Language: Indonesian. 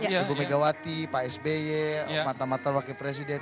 ibu megawati pak sby mata mata wakil presiden